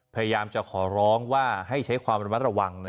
พยายามจะขอร้องว่าให้ใช้ความระมัดระวัง